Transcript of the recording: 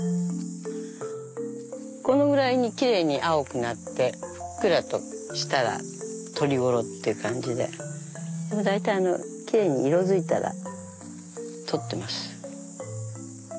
このぐらいにきれいに青くなってふっくらとしたら採り頃って感じで大体きれいに色づいたら採ってます。